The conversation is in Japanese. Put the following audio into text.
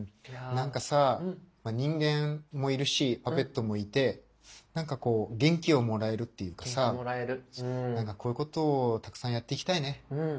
何かさ人間もいるしパペットもいて何かこう元気をもらえるっていうかさ何かこういうことをたくさんやっていきたいね。